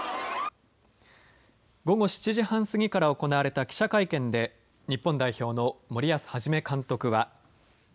午後７時半過ぎから行われた記者会見で日本代表の森保一監督は。